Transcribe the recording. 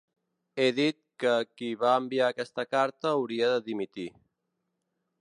He dit que qui va enviar aquesta carta hauria de dimitir.